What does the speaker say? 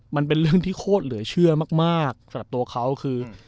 มันเป็นเรื่องที่โคตรเหลือเชื่อมากสำหรับตัวเขาคือ